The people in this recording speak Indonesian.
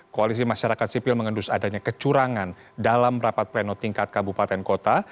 koalisi masyarakat sipil mengendus adanya kecurangan dalam rapat pleno tingkat kabupaten kota